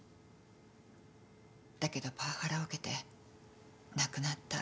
だけどパワハラを受けて亡くなった。